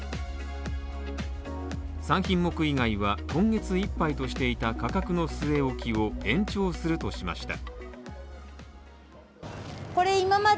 ３品目以外は今月いっぱいとしていた価格の据え置きを延長するとしました。